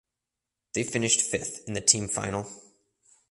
They finished fifth in the team final.